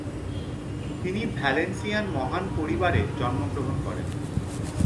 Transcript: তিনি ভ্যালেন্সিয়ান মহান পরিবারে জন্মগ্রহণ করেন।